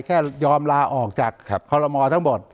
แค่ยอมลาออกจากคอลโลมอทั้งหมด